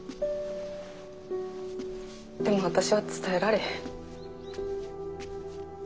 でも私は伝えられへん。